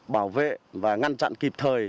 bảo vệ và ngăn chặn kịp thời